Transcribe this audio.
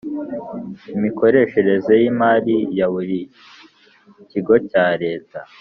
imikoreshereze yimari ya buri kigo cyareta